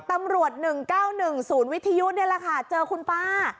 ตำรวจหนึ่งเก้าหนึ่งศูนย์วิทยุทธิ์เนี้ยแหละค่ะเจอคุณป้า